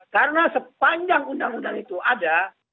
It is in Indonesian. karena sepanjang undang undang itu ada